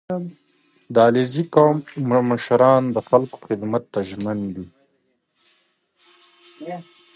• د علیزي قوم مشران د خلکو خدمت ته ژمن دي.